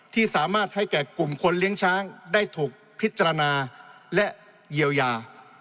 ที่สามารถให้แก่กลุ่มคนเลี้ยงช้างได้ถูกพิจารณาและเยียวยา